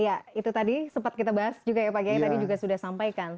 ya itu tadi sempat kita bahas juga ya pak gaya tadi juga sudah sampaikan